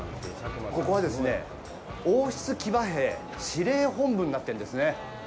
ここはですね、王室騎馬兵司令本部になってるんですね。